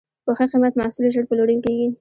په ښه قیمت محصول ژر پلورل کېږي.